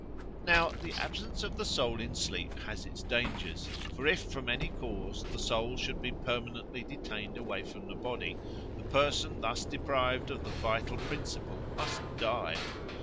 Now the absence of the soul in sleep has its dangers, for if from any cause the soul should be permanently detained away from the body, the person thus deprived of the vital principle must die.